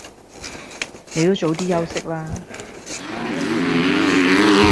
你都早啲休息啦